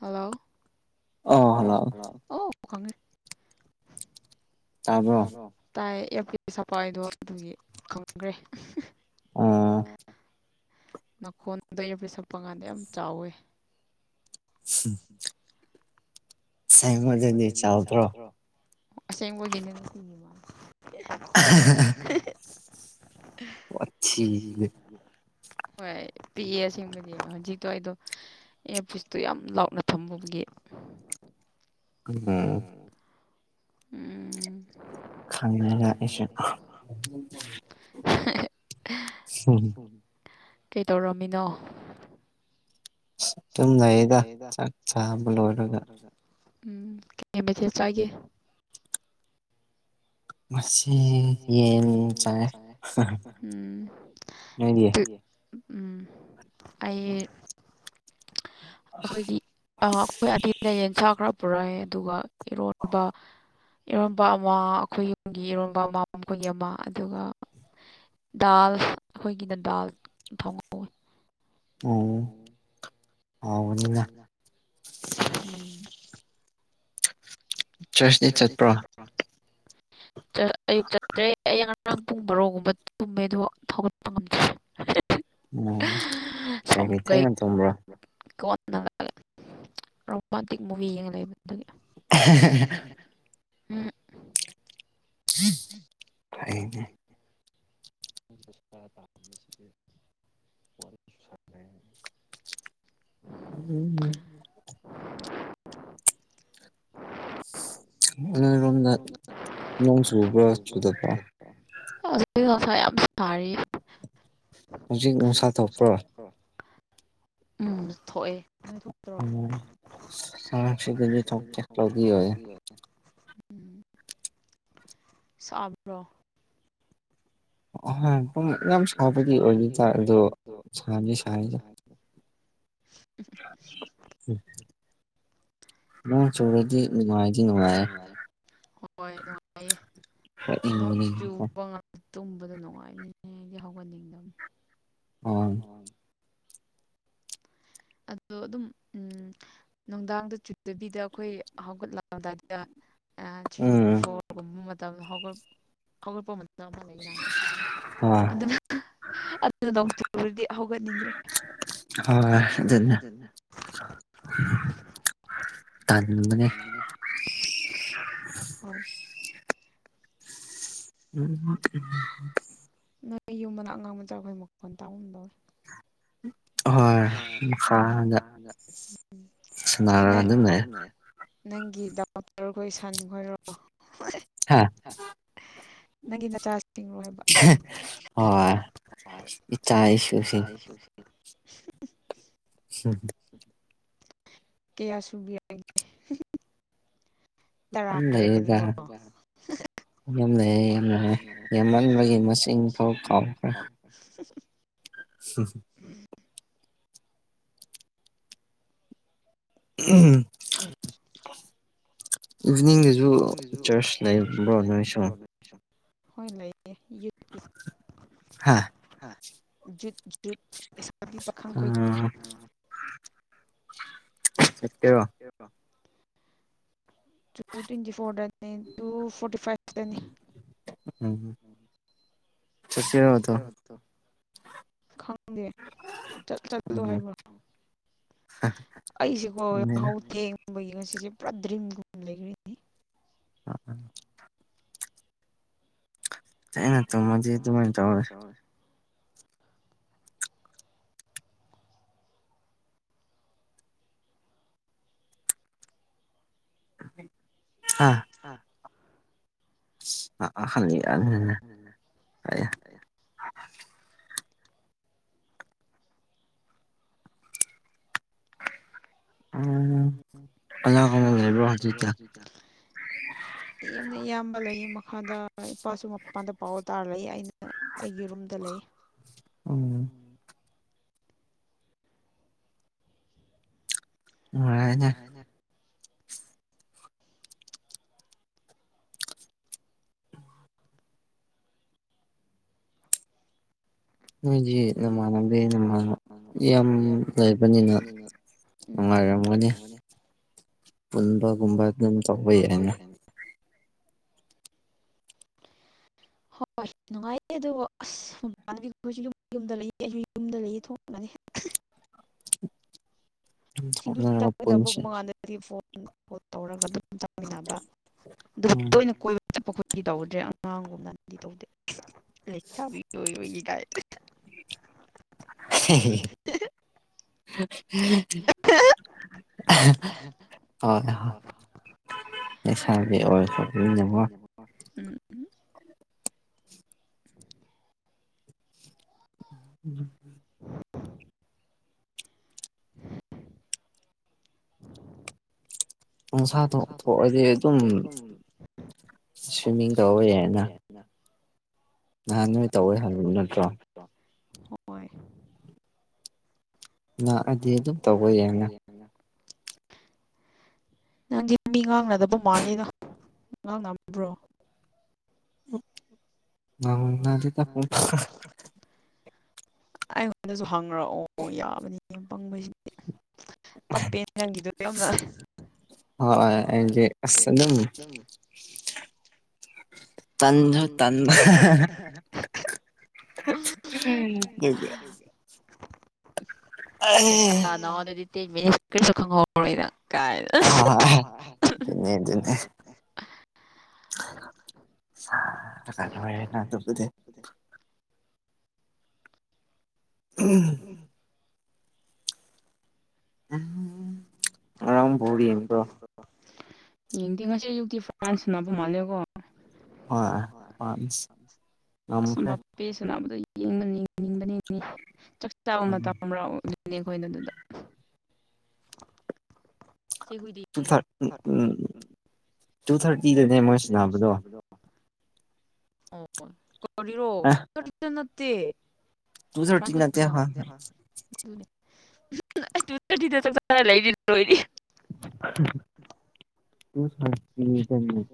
hello ꯑ hello ꯈꯪꯑ ꯇꯥꯕ꯭ꯔꯣ ꯇꯥꯏ ꯑꯞꯀꯤ ꯁꯐꯥꯏꯗꯣ ꯑꯗꯨꯒꯤ ꯈꯪꯈ꯭ꯔꯦ ꯑꯥ ꯈꯣꯟꯗꯩ ꯄ ꯁꯛꯄ ꯀꯥꯟꯗ ꯌꯥꯝ ꯆꯥꯎꯋꯤ ꯎꯝ ꯁꯃꯗꯗꯤ ꯆꯥꯎꯗ꯭ꯔꯣ ꯑꯁꯦꯡꯕꯒꯤꯅꯦ ꯋꯥꯊꯤꯗꯤ [inaudible] ꯍꯣꯏ ꯄꯤꯛꯑꯦ ꯑꯁꯦꯡꯕꯗꯤ ꯍꯧꯖꯤꯛꯇꯣ ꯑꯩꯗꯣ ꯑꯦ ꯄꯨꯁꯇꯣ ꯌꯥꯝ ꯂꯥꯎꯅ ꯊꯃꯕꯨꯒꯤ ꯌꯦ ꯍꯝ ꯎꯝ ꯈꯪꯅ ꯑꯦꯁꯦ ꯍꯝ ꯀꯩꯗꯧꯔꯝꯃꯤꯅꯣ ꯑ ꯆꯨꯝ ꯂꯩꯌꯦꯗ ꯆꯥꯛ ꯆꯥꯕ ꯂꯣꯏꯔꯒ ꯎꯝ ꯀ ꯃꯩꯊꯦꯜ ꯆꯥꯒꯦ ꯉꯁꯤ ꯌꯦꯟ ꯌꯦ ꯆꯥꯏ ꯆꯝ ꯎꯝ ꯅꯣꯏꯗꯤ ꯑꯩ ꯑꯩꯈꯣꯏꯒꯤ ꯑꯩꯈꯣꯏ ꯑꯇꯤ ꯂꯌꯦꯟꯁꯥꯈ꯭ꯔ ꯄꯨꯔꯛꯑ ꯑꯗꯨꯒ ꯏꯔꯣꯟꯕ ꯏꯔꯣꯟꯕ ꯑꯃ ꯑꯩꯈꯣꯏꯒꯤ ꯒꯤ ꯏꯔꯣꯕ ꯃꯣꯏꯒꯤ ꯑꯃ ꯑꯗꯨꯒ ꯗꯥꯜ ꯑꯩꯈꯣꯏꯒꯤꯗ ꯗꯥꯜ ꯊꯧꯉꯧꯤ ꯑꯣ ꯍꯥꯎꯅꯤ ꯎꯝ ꯆꯔꯆꯇꯤ ꯆꯠꯄ꯭ꯔꯣ ꯑꯌꯨꯛ ꯆ꯭ꯔꯦ ꯑꯏ ꯉꯔꯥꯡ ꯄꯨꯡ ꯃꯔꯔꯣꯒꯨꯝꯕ ꯇꯨꯝꯃꯦ ꯑꯗꯣ ꯊꯧꯒꯠꯄ ꯉꯝꯗ꯭ꯔꯦ ꯎꯝ ꯀꯩꯒꯤ ꯁꯒ ꯊꯦꯡꯅ ꯇꯨꯝꯕ꯭ꯔꯣ ꯀ ꯅ ꯔꯣꯃꯥꯟꯇꯤꯛ ꯃꯨꯚꯤ ꯌꯦꯡꯉ ꯂꯩꯕ ꯑꯗꯨꯗꯒꯤ ꯎꯝ ꯎꯝ ꯑꯩꯅꯦ [unintelligible] ꯎꯝ ꯎꯝ [unintelligible] ꯑ ꯔꯣꯝꯗ ꯁ ꯌꯥꯝ ꯁꯥꯔꯤ ꯍꯧꯖꯤꯛ ꯅꯨꯡꯁꯥ ꯊꯣꯛꯄ꯭ꯔꯣ ꯎꯝ ꯊꯣꯛꯑꯦ ꯅꯪ ꯊꯣꯛꯇ꯭ꯔꯣ ꯁꯤ ꯊ ꯆꯂ ꯑꯣꯏ ꯁꯥꯕ꯭ꯔꯣ ꯍꯣꯏ ꯄꯨꯡ ꯌꯥꯝ ꯁꯥꯕꯗꯤ ꯑꯣꯏꯕꯤꯗ ꯑꯗꯣ ꯁꯥꯅꯤ ꯁꯗ ꯎꯝ ꯗꯤ ꯅꯨꯡꯉꯥꯏ ꯅꯨꯡꯉꯥꯏꯌꯦ ꯅꯨꯡꯉꯥꯏꯔꯦ ꯍ ꯅꯨꯡꯉ ꯍ ꯏ ꯇꯨꯝꯕꯗ ꯅꯨꯡꯉꯥꯏꯅꯤꯗꯤ ꯍꯧꯒꯟꯅꯤꯡ ꯑꯗꯨꯝ ꯍꯣꯏ ꯑꯣ ꯑꯗꯣ ꯑꯗꯨꯝ ꯎꯝ ꯅꯨꯡꯗꯥꯡꯗ ꯆꯨꯗꯕꯤꯗ ꯑꯩꯈꯣꯏ ꯍꯧꯒꯠꯂꯛꯑꯗꯥꯏꯗ ꯊ꯭ꯔꯤ ꯎꯝ ꯐꯣꯔꯒꯨꯝꯕ ꯃꯇꯝꯗ ꯍꯧꯒꯠ ꯍꯧꯒꯠꯄ ꯃꯇꯝ ꯍꯣꯏ ꯑꯗꯨꯅ ꯑꯗꯨꯅꯗꯤ ꯍꯧꯒꯠꯅꯤꯡꯗ꯭ꯔꯦ ꯑꯗꯨ ꯑꯅꯦ ꯍ ꯎꯝ ꯎ ꯑꯩ ꯌꯨꯝꯕꯅ ꯑꯉꯥꯡꯕꯆꯥꯔ ꯑꯩꯈꯣꯏ ꯃꯈꯣꯟ ꯇꯥꯝ ꯂꯧꯧꯏꯤ ꯍꯣꯏ ꯃꯈꯥꯗ ꯍ ꯁꯥꯟꯅꯔꯒ ꯑꯗꯨꯝ ꯂꯩ ꯑꯗꯨꯟꯅ ꯅꯪꯒꯤ ꯗꯗꯥꯎꯇꯔꯈꯣꯏ ꯁꯟꯈꯣꯏꯔꯣ ꯍꯥꯦ ꯅꯪꯒꯤ ꯅꯆꯥ ꯆꯤꯡꯉꯣ ꯍꯥꯏꯕ ꯏ ꯆꯥꯏꯁꯨꯁꯤ ꯎ ꯎ ꯀꯌꯥ ꯁꯨꯕꯤꯔꯒꯦ ꯇꯔꯥ ꯍꯥꯏꯔꯛꯀꯅꯤꯕꯣ ꯌꯥꯝꯅ ꯌꯥꯝꯅ ꯌꯥꯝꯃꯟꯕꯒꯤ ꯃꯁꯤꯡ ꯐꯥꯎ ꯀꯥꯎꯈ꯭ꯔꯦ ꯁꯤ ꯎꯝ ꯏꯚꯤꯅꯤꯡꯗꯁꯨ ꯆꯔꯆ ꯂꯩꯕ꯭ꯔꯣ ꯅꯣꯏ ꯁꯨꯝ ꯍꯣꯏ ꯂꯩꯌꯦ ꯍꯥ ꯨꯠ ꯨꯠ ꯗꯤ ꯄꯈꯪꯈ ꯎꯝ ꯆꯠꯀꯦꯔꯣ [inaudible] [unintelligible] ꯇꯨ ꯇ꯭ꯋꯦꯟꯤ ꯐꯣꯔꯅꯤ ꯇꯨ ꯐꯣꯔꯇꯤ ꯐꯥꯏꯚ ꯇꯅꯤ ꯎꯝ ꯆꯁꯤꯗ ꯆ ꯆꯠꯣ ꯎꯝ ꯍꯥꯏꯥꯏꯕꯣ ꯑꯩꯁꯤꯀ ꯎꯅꯤꯅ ꯍꯥꯎ ꯊ ꯩ ꯑꯁꯤꯁꯦ ꯄꯥꯗ꯭ꯔꯤꯒ ꯦꯒ ꯎꯝ ꯎꯝ ꯇꯅꯠꯇ ꯃꯗꯤ ꯑꯗꯨꯃꯥꯏꯅ ꯇꯔꯦ ꯎꯝ ꯑ ꯑ ꯈ ꯎ ꯑ ꯀꯕ꯭ꯔꯣ ꯍꯥꯖꯤꯠꯇ ꯌꯥꯝꯅ ꯏꯌꯥꯝꯕ ꯂꯩꯌꯦ ꯃꯈꯥꯗ ꯏꯄꯥꯁꯨ ꯃꯄꯥꯟꯗ ꯄꯥꯎ ꯇꯥꯔ ꯂꯩ ꯑꯩꯅ ꯑꯩꯒꯤ ꯔꯨꯝꯗ ꯂꯩ ꯎꯝ ꯃꯅꯦ ꯃꯣꯏꯗꯤ ꯅꯃꯥꯟꯅꯝꯗꯦ ꯅꯃꯥꯟꯅꯕ ꯌꯥꯝ ꯂꯩꯕꯅꯤꯅ ꯎꯝ ꯅꯨꯡꯉꯥꯏꯔꯝꯃꯅꯤ ꯄꯨꯟꯕꯒꯨꯝꯕ ꯑꯗꯨꯝ ꯇꯧꯕ ꯌꯥꯏꯅ [inaudible] ꯍꯣꯏ ꯍꯣꯏ ꯅꯨꯡꯉꯥꯏꯇꯦ ꯑꯗꯨꯗꯣ ꯑꯁ ꯃꯃꯥꯟꯅꯕꯤꯁꯨ ꯌꯨꯝ ꯌꯨꯝꯗ ꯂꯩꯌꯦ ꯑꯩꯁꯨ ꯌꯨꯝꯗ ꯂꯩꯌꯦ ꯊꯣꯡꯒꯅꯤ [inaudible] ꯁꯤꯡꯗꯨꯨ ꯊꯣꯛꯅꯔꯒ ꯄꯨꯟꯁꯦ ꯆꯠꯀꯗꯕꯒꯨꯝꯕ ꯀꯥꯟꯗꯗꯤ ꯐꯣꯟ ꯇꯧꯔꯒ ꯑꯗꯨꯝ ꯆꯃꯤꯟꯅꯕ ꯑꯗꯨ ꯎꯝ ꯇꯣꯏꯅ ꯀꯣꯏꯕ ꯆꯠꯄꯈꯣꯏꯗꯤ ꯇꯧꯗ꯭ꯔꯦ ꯑꯉꯥꯡꯒꯨꯝ ꯅꯗꯤ ꯇꯧꯗꯦ ꯂꯩꯛ ꯆꯥꯕꯤꯒꯤ ꯀ [unintelligible] [inaudible] [inaudible] [unintelligible] ꯎ [inaudible] ꯍꯣꯏ ꯂꯩꯁꯥꯕꯤ ꯑꯣꯏꯈ꯭ꯔꯕꯅꯤꯅꯀꯣ [unintelligible] [unintelligible] [inaudible] ꯎꯝ [unintelligible] [inaudible] [unintelligible] ꯄꯣꯡꯁꯥꯗꯣ ꯊꯣꯛꯑꯗꯤ ꯑꯗꯨꯝ ꯁ꯭ꯋꯤꯝꯃꯤꯡ ꯇꯧꯕ ꯌꯥꯢꯅ ꯅꯍꯥꯟ ꯅꯣꯏ ꯇꯧꯋꯏ ꯍꯥꯏꯕ ꯅꯠꯇ꯭ꯔꯣ ꯍꯣꯏ ꯂꯥꯛꯑꯗꯤ ꯑꯗꯨꯝ ꯇꯧꯕ ꯌꯥꯡꯅ ꯅꯪꯗꯤ ꯃꯤ ꯉꯥꯡꯅꯗꯕ ꯃꯥꯜꯂꯤꯗ ꯉꯥꯡꯕ꯭ꯔꯣ ꯃꯟꯅꯗꯤꯗ ꯐ ꯑꯩꯉꯣꯟꯗꯁꯨ ꯍꯪꯉ꯭ꯔꯛꯑꯣ ꯌꯥꯕꯅꯤ ꯄꯪꯕꯁꯤꯗꯤ ꯇꯄꯦꯟ ꯉꯪꯒꯤꯗꯨꯣ ꯌꯥꯝꯅꯔꯦ ꯍꯣꯏ ꯑꯁ ꯑꯗꯨꯗꯝ ꯇꯟꯖꯨ ꯇꯟꯗ [unintelligible] [inaudible] ꯑꯩꯋꯥ ꯑꯗꯨꯗꯤ ꯃꯤꯅꯤ ꯈꯪꯔꯣꯏꯗ ꯑ ꯑꯗꯨꯅꯤ ꯑꯗꯨꯅꯤ ꯀꯦ ꯅ ꯑꯗꯨꯕꯨꯗꯤ [inaudible] ꯎꯝ [unintelligible] [inaudible] [inaudible] ꯉꯔꯡ ꯕꯥꯜ ꯌꯦꯡ ꯕꯔꯣ ꯌꯦꯡꯗꯤ ꯉꯁꯤ ꯌꯌꯨꯛꯇꯤ ꯐ꯭ꯔꯥꯟꯁ ꯐ ꯃꯥꯜꯂꯦꯀꯣ ꯍꯣꯏ ꯐ꯭ꯔꯥꯟꯁ ꯉꯝꯈ꯭ꯔꯦ ꯑꯁ ꯄꯦ ꯁꯅꯥꯕꯗ ꯕꯕ ꯆꯥꯛ ꯆꯕ ꯃꯇꯝꯣ ꯅꯦ ꯑꯩꯈꯣꯏꯅ ꯑꯗꯨꯗ ꯆꯦ ꯍꯨꯏꯗ ꯌꯦꯡꯉꯣ ꯨꯔ ꯎꯝꯝ ꯇꯨ ꯊꯥꯔꯇꯤ ꯗꯅꯦ ꯃꯣꯏ ꯁꯟꯅꯕꯗꯣ ꯑꯣ ꯑꯦ ꯀꯔꯣ ꯅꯠꯇꯦ ꯇꯨ ꯐ ꯊꯥꯔꯇꯤ ꯅꯠꯇꯦ ꯍꯣꯏ ꯁꯅ [inaudible] ꯆ ꯂꯩꯔꯤ ꯂꯣꯏꯔꯤ [inaudible] ꯎ [inaudible] ꯇꯨ [inaudible]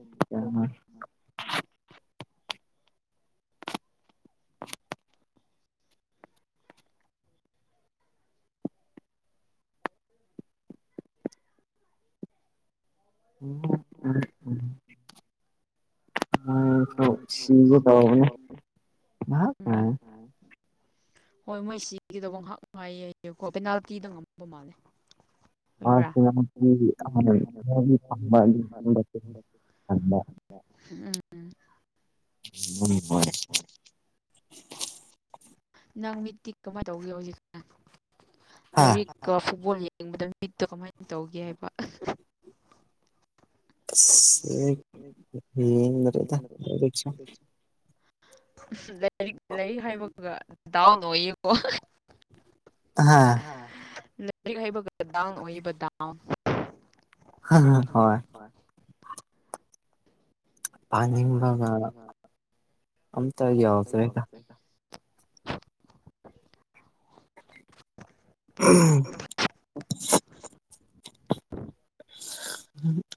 [unintelligible] ꯎꯝ ꯎ [inaudible] ꯑꯩꯗꯦꯝꯣ ꯁꯤꯒꯦ ꯇꯧꯕꯅꯦ ꯉꯥꯍꯥꯛ ꯎꯝ ꯉꯥꯏꯌꯣ ꯍꯣꯏ ꯃꯣꯏ ꯁꯤꯒꯤꯗꯧꯕ ꯉꯥꯏꯍꯥꯛ ꯅꯨꯡꯉꯥꯏꯌꯦꯀꯣ ꯄꯦꯅꯥꯜꯇꯤꯗ ꯉꯝꯕ ꯃꯥꯜꯂꯦ ꯑ [inaudible] ꯑꯣꯏꯕ꯭ꯔꯥ ꯊꯃ [inaudible] ꯎꯝ ꯎ ꯍꯣꯏ ꯅꯪ ꯃꯤꯠꯇꯤ ꯀꯃꯥꯏꯅ ꯇꯧꯒꯦ ꯍꯧꯖꯤꯛ ꯑ ꯂꯥꯏꯔꯤꯛꯀ ꯐꯨꯠꯕꯣꯜꯒ ꯌꯦꯡꯕꯗ ꯃꯤꯠꯇꯣ ꯀꯃꯥꯏꯅ ꯇꯧꯒꯦ ꯍꯥꯏꯕ ꯌꯦꯡꯗꯔ꯭ꯦꯗꯥ ꯂꯥꯏꯔꯤꯛꯁꯨ ꯑ ꯂꯥꯏꯔꯤꯛ ꯂꯥꯏꯔꯤꯛ ꯍꯥꯏꯕꯒ ꯗꯥꯎꯟ ꯑꯣꯏꯌꯦꯀꯣ ꯍꯥꯥ ꯂꯥꯏꯔꯤꯛ ꯍꯥꯏꯕꯒꯥ ꯗꯥꯎꯟ ꯑꯣꯏꯕ ꯗꯥꯎꯟ ꯍꯣꯏ ꯄꯥꯅꯤꯡꯕꯒ ꯑꯝꯇ ꯌꯥꯎꯗ꯭ꯔꯦꯗ ꯎꯝ [inaudible]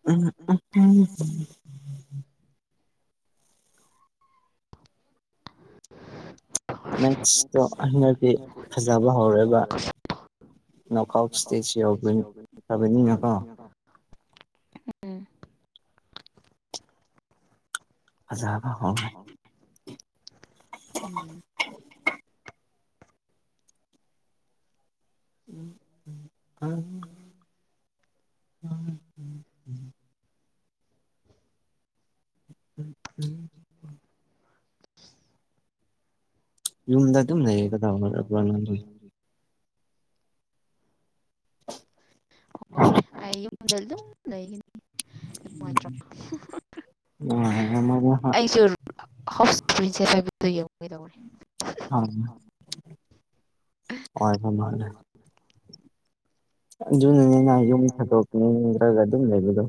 ꯎꯝ ꯎꯝ [inaudible] [unintelligible] ꯃꯦꯠꯁꯇꯣ ꯍꯟꯗꯛꯇꯤ ꯐꯖꯕ ꯍꯧꯔꯦꯕ ꯅꯣꯛ ꯑꯥꯎꯠ ꯁꯇꯦꯜ ꯌꯥꯎꯈ꯭ꯔꯕꯅꯤꯅꯥ ꯀꯦ ꯎꯝ ꯐꯖꯥꯕ ꯍꯧꯔꯦ ꯎꯝ [inaudible] ꯎꯝ ꯎ ꯎꯝ [inaudible] ꯎꯝꯝ ꯎꯝ ꯎꯝ ꯌꯨꯝꯗ ꯑꯗꯨꯝ ꯂꯩꯌꯦ ꯀꯩꯗꯧꯕꯅꯣ ꯅꯪꯗꯤ [inaudible] ꯍꯣꯏ ꯑꯩ ꯌꯨꯝꯗ ꯑꯗꯨꯝ ꯂꯩꯀꯅꯤ ꯅꯨꯡꯉꯥꯏꯇ꯭ꯔꯣ ꯅꯨꯡꯉꯥꯏꯔꯝꯃꯔꯣꯏ ꯍꯣꯏ ꯑꯩꯁꯨ ꯔꯤꯁꯦ ꯌꯦꯡꯒ ꯇ [inaudible] ꯑꯣꯏꯕꯥ ꯃꯥꯜꯂꯦ ꯑꯗꯨꯅꯅꯤ ꯌꯨꯝ ꯊꯗꯣꯛꯅꯤꯡꯗ꯭ꯔꯒ ꯑꯗꯨꯝ ꯂꯩꯕꯗꯣ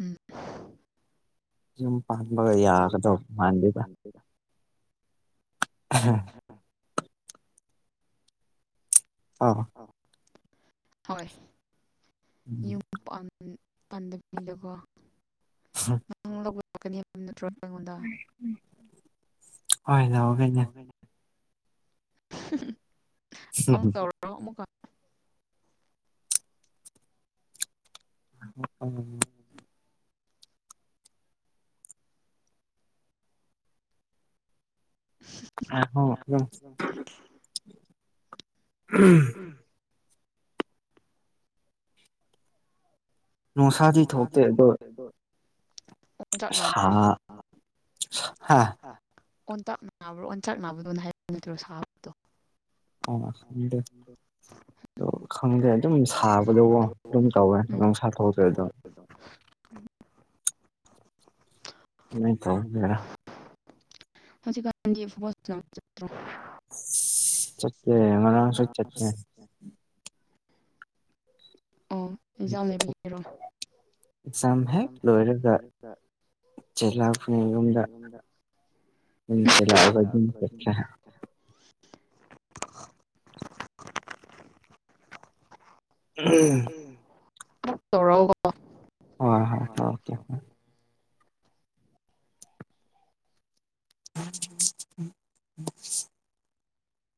ꯎꯝ ꯌꯨꯝ ꯄꯥꯟꯕꯒ ꯌꯥꯒꯗꯧꯕ ꯃꯥꯟꯗꯦꯗꯥ ꯑ [inaudible] ꯑꯥ ꯍꯣꯏ ꯎꯝ [inaudible] ꯄꯥꯟꯗꯀꯣ ꯂꯧꯕꯀꯅꯤ ꯅꯠꯇ꯭ꯔ [inaudible] ꯍ ꯂꯒꯩꯅ [inaudible] ꯑꯃ ꯇꯧꯔꯛꯑꯣ ꯑꯃꯛ ꯎꯝ ꯑ ꯍ ꯎꯝ ꯅꯨꯡꯁꯥꯗꯤ ꯊꯣꯛꯇꯦ ꯑꯗꯣ ꯑꯣꯟꯆꯥꯛ ꯅꯥꯕ꯭ꯔꯥ ꯍꯥ ꯑꯣꯟꯇꯛ ꯅꯥꯕ꯭ꯔꯣ ꯑꯣꯟꯇꯥꯛ ꯅꯥꯕꯗꯣꯅ ꯍꯥꯏ ꯅꯠꯇꯔꯣ ꯁꯥꯕꯗꯣ ꯑ ꯍꯗ ꯑ ꯈꯪꯗꯦ ꯑꯗꯨꯝ ꯁꯥꯕꯗꯕꯨ ꯑꯗꯨꯝ ꯇꯧꯋꯦ ꯎꯝ ꯅꯨꯡꯁꯥ ꯊꯣꯛꯇ ꯑꯗꯨꯝ [inaudible] ꯅ ꯇ ꯃꯥ ꯍꯧꯖꯤ ꯀꯗꯤ ꯆꯠꯦ ꯃꯔ ꯅꯝ ꯁ ꯆꯠꯦ ꯑꯣ ꯑꯦꯟꯖꯥꯡ ꯂꯩꯕꯒꯤꯔꯣ ꯑꯦꯛꯖꯥꯝ ꯍꯦꯛ ꯂꯣꯏꯔꯒ ꯆꯩ ꯂꯥꯎꯅꯤ ꯌꯨꯝꯗ ꯑꯗꯨꯝ ꯆꯂ ꯆ ꯎꯝ ꯇꯧꯔꯕꯣ ꯍꯣꯏ ꯍꯣꯏ ꯊꯔꯀꯦ [unintelligible]